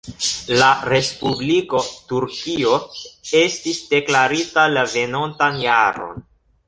La Respubliko Turkio estis deklarita la venontan jaron.